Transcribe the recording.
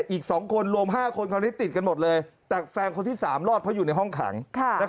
อีก๒คนรวม๕คนคราวนี้ติดกันหมดเลยแต่แฟนคนที่๓รอดเพราะอยู่ในห้องขัง